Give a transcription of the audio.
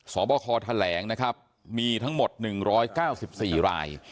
บคแถลงนะครับมีทั้งหมด๑๙๔ราย